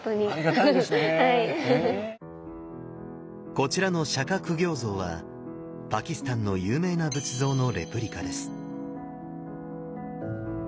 こちらの釈苦行像はパキスタンの有名な仏像のレプリカです。